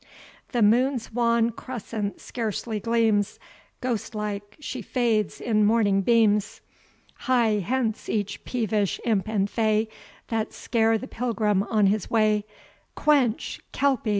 "The moon's wan crescent scarcely gleams, Ghost like she fades in morning beams; Hie hence each peevish imp and fay, That scare the pilgrim on his way: Quench, kelpy!